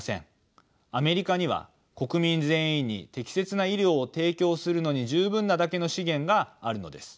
アメリカには国民全員に適切な医療を提供するのに十分なだけの資源があるのです。